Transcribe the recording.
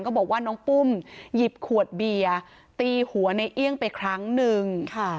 บอกว่าน้องปุ้มหยิบขวดเบียร์ตีหัวในเอี่ยงไปครั้งหนึ่ง